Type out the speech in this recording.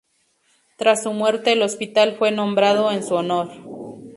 Tras su muerte, el hospital fue nombrado en su honor.